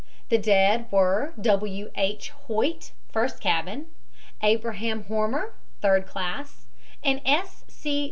The dead were W. H. Hoyte, first cabin; Abraham Hormer, third class, and S. C.